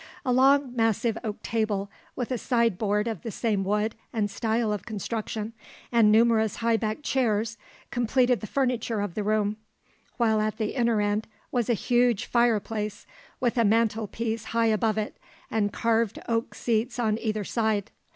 A long massive oak table, with a side board of the same wood and style of construction, and numerous high backed chairs, completed the furniture of the room, while at the inner end was a huge fire place, with a mantel piece high above it, and carved oak seats on either side.